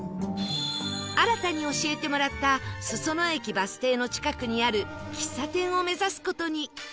新たに教えてもらった裾野駅バス停の近くにある喫茶店を目指す事に